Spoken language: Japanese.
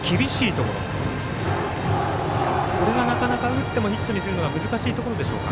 これがなかなか打ってもヒットにするのは難しいところでしょうか。